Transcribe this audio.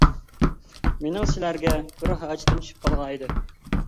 مىنىڭ سىلەرگە بىر ھاجىتىم چۈشۈپ قالغانىدى.